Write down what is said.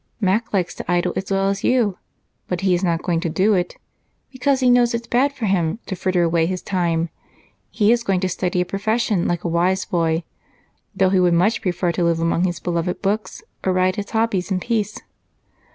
"Mac likes to idle as well as you, but he is not going to do it because he knows it's bad for him to fritter away his time. He is going to study a profession like a wise boy, though he would much prefer to live among his beloved books or ride his hobbies in peace."